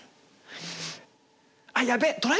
あっやっべえ！